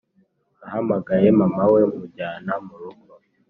nahamagaye mama we mujyana murugo